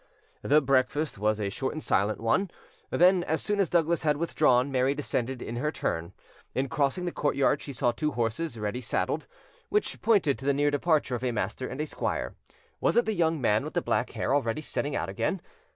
The breakfast was a short and silent one; then, as soon as Douglas had withdrawn, Mary descended in her turn: in crossing the courtyard she saw two horses ready saddled, which pointed to the near departure of a master and a squire. Was it the young man with the black hair already setting out again?